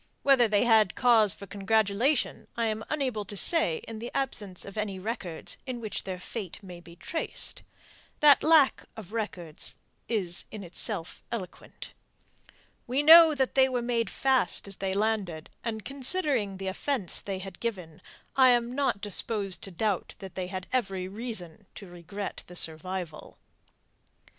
Whether they had cause for congratulation, I am unable to say in the absence of any records in which their fate may be traced. That lack of records is in itself eloquent. We know that they were made fast as they landed, and considering the offence they had given I am not disposed to doubt that they had every reason to regret the survival.